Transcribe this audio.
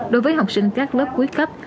đối với học sinh các lớp cuối cấp